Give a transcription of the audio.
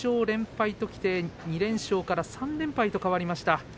連敗ときて２連勝から３連敗と変わりました。